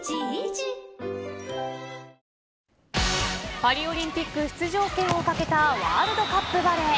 パリオリンピック出場権を懸けたワールドカップバレー。